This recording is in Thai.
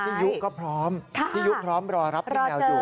ยุก็พร้อมพี่ยุพร้อมรอรับพี่แมวอยู่